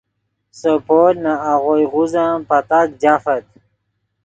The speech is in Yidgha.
سے پول نے آغوئے غوزن پتاک جافت